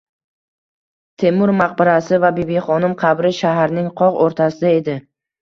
Temur maqbarasi va Bibixonim qabri shaharning qoq o‘rtasida edi.